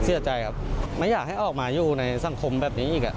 เสียใจครับไม่อยากให้ออกมาอยู่ในสังคมแบบนี้อีก